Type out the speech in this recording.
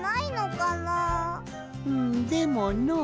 うんでものう。